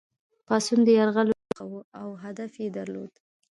پاڅون د یرغلګرو له منځه وړلو په موخه وو او هدف یې درلود.